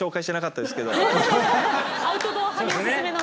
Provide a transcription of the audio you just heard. アウトドア派におすすめなんで。